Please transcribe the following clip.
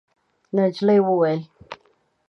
نجلۍ وویل: